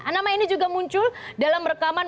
nama ini juga muncul dalam rekaman